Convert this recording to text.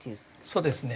そうですね。